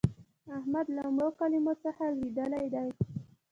احمد له مړو کلمو څخه لوېدلی دی.